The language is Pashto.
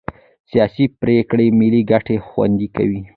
سیاسي پرېکړې ملي ګټې خوندي کوي